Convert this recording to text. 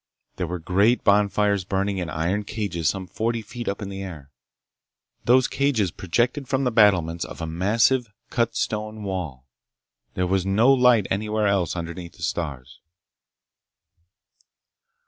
They were great bonfires burning in iron cages some forty feet up in the air. Those cages projected from the battlements of a massive, cut stone wall. There was no light anywhere else underneath the stars.